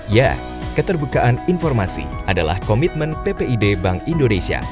ya keterbukaan informasi adalah komitmen ppid bank indonesia